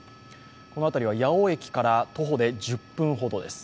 この辺りは八尾駅から徒歩で１０分ほどです。